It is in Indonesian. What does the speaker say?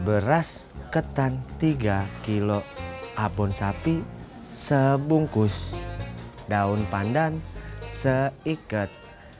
beras ketan tiga kilo abon sapi sebungkus daun pandan seikat